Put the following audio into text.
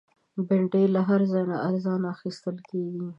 بېنډۍ له هر ځای نه ارزانه اخیستل کېږي